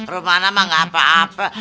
rumah namanya gak apa apa